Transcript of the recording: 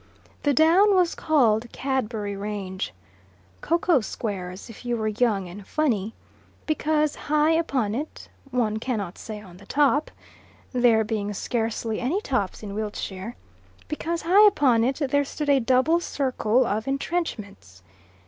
The down was called "Cadbury Range" ("Cocoa Squares" if you were young and funny), because high upon it one cannot say "on the top," there being scarcely any tops in Wiltshire because high upon it there stood a double circle of entrenchments.